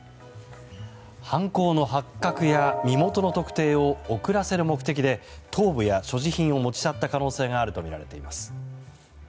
犯行の発覚や身元の特定を遅らせる目的で頭部や所持品を持ち去った可能性があるとみられています。